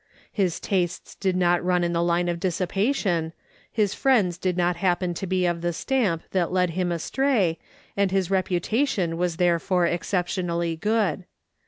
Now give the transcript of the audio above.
His tastes did not run in the line of dissipation ; his friends did not happen to be of the stamp that led him astray, and his re putation was therefore exceptionally good.